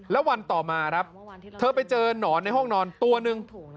แล้ววันต่อมาครับเธอไปเจอหนอนในห้องนอนตัวหนึ่ง